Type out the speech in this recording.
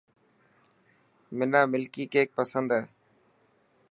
حنا ملڪي ڪيڪ پسند هي.